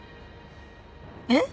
えっ？